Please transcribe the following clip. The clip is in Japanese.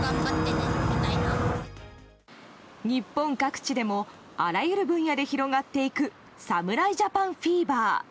日本各地でもあらゆる分野で広がっていく侍ジャパンフィーバー。